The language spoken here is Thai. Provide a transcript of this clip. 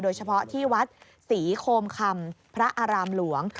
โดยเฉพาะที่วัดศรีโคมคำพระอารามหลวง